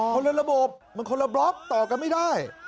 คนละระบบมันคนละบล็อกต่อกันไม่ได้